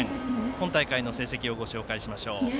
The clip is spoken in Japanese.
今大会の成績をご紹介しましょう。